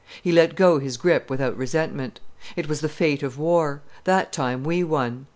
He let go his grip without resentment. It was the fate of war; that time we won.